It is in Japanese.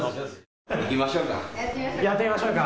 やってみましょうか。